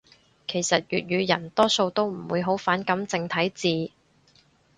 其實粵語人多數都唔會好反感正體字